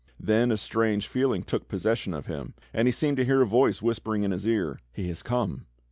Then a strange feeling took possession of him, and he seemed to hear a voice whispering in his ear, "He has come!